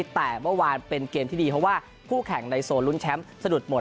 แต่เมื่อวานเป็นเกมที่ดีเพราะว่าคู่แข่งในโซนลุ้นแชมป์สะดุดหมด